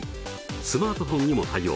スマートフォンにも対応。